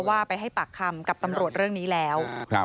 ว่าไปให้ปากคำกับตำรวจเรื่องนี้แล้ว